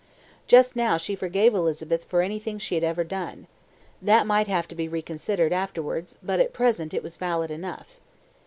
Just now she forgave Elizabeth for anything she had ever done. That might have to be reconsidered afterwards, but at present it was valid enough.